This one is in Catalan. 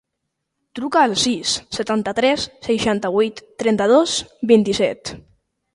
Truca al sis, setanta-tres, seixanta-vuit, trenta-dos, vint-i-set.